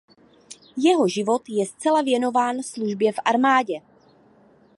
Jeho život je zcela věnován službě v armádě.